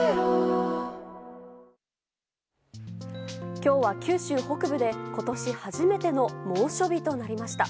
今日は九州北部で今年初めての猛暑日となりました。